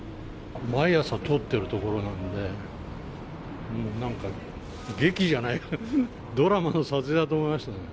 毎朝通ってる所なんで、なんか劇じゃないか、ドラマの撮影だと思いましたね。